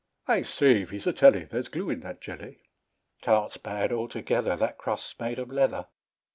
"I say, Vizetelly, There's glue in that jelly." "Tarts bad altogether; That crust's made of leather."